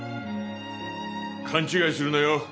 勘違いするなよ。